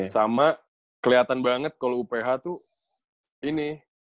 sama keliatan banget kalo uph tuh ini